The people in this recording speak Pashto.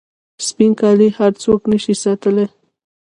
سپین کالي هر څوک نسي ساتلای.